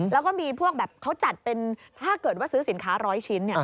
แล้วก็มีพวกแบบเขาจัดเป็นถ้าเกิดว่าซื้อสินค้า๑๐๐ชิ้น